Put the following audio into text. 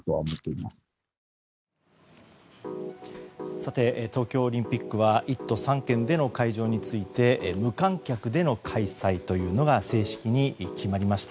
さて、東京オリンピックは１都３県での会場について無観客での開催というのが正式に決まりました。